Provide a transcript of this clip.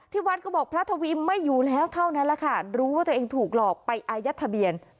วัดก็บอกพระทวีไม่อยู่แล้วเท่านั้นแหละค่ะรู้ว่าตัวเองถูกหลอกไปอายัดทะเบียน